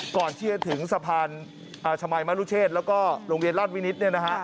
ก่อนที่จะถึงสะพานชมายมรุชเชษแล้วก็โรงเรียนราชวินิต